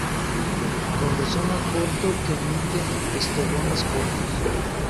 Con rizoma corto, que emiten estolones cortos.